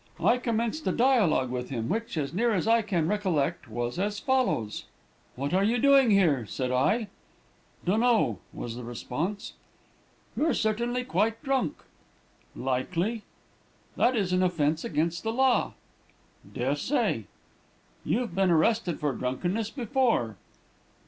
I commenced a dialogue with him, which, as near as I can recollect, was as follows: "'What are you doing here?' said I. "'Dun'no,' was the response. "'You're certainly quite drunk.' "'Likely.' "'That is an offence against the law.' "'Des'say.' "'You've been arrested for drunkenness before.'